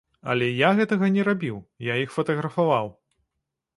Але я гэтага не рабіў, я іх фатаграфаваў.